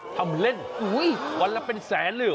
ทำเล่นวันละเป็นแสนหรือ